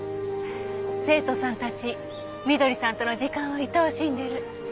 生徒さんたち翠さんとの時間を愛おしんでる。